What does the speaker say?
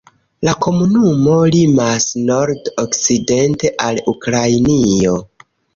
La komunumo limas nord-okcidente al Ukrainio.